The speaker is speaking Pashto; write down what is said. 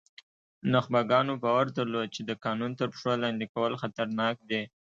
نخبګانو باور درلود چې د قانون تر پښو لاندې کول خطرناک دي.